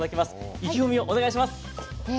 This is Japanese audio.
意気込みをお願いします。